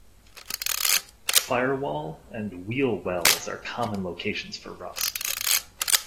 The firewall and wheel wells are common locations for rust.